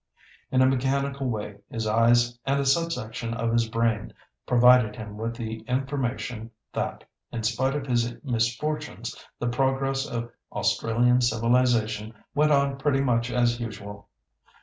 In a mechanical way, his eyes and a subsection of his brain provided him with the information that, in spite of his misfortunes, the progress of Australian civilisation went on pretty much as usual.